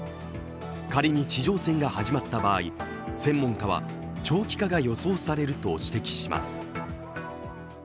仮に地上戦が始まった場合専門家は長期化が予想されると指摘します。